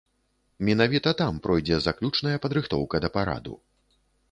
Менавіта там пройдзе заключная падрыхтоўка да параду.